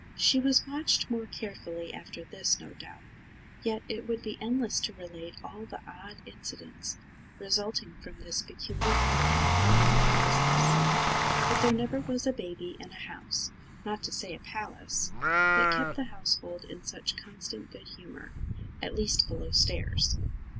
She was watched more carefully after this, no doubt; yet it would be endless to relate all the odd incidents resulting from this peculiarity of the young princess. But there never was a baby in a house, not to say a palace, that kept the household in such constant good humour, at least below stairs.